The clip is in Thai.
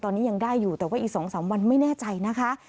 ตอนนี้ยังได้อยู่แต่ว่าอีก๒๓วันไม่แน่ใจนะคะ